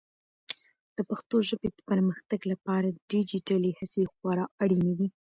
د پښتو ژبې د پرمختګ لپاره ډیجیټلي هڅې خورا اړینې دي.